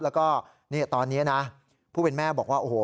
แล้วก็ตอนนี้นะผู้เป็นแม่บอกว่าโอ้โห